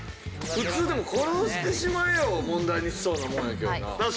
普通でも「殺してしまえ」を問題にしそうなもんやけどな。